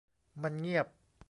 มันเงียบ